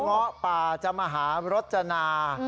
เจ้าง้อป่าจมรจนา